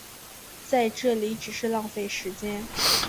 在这里只是浪费时间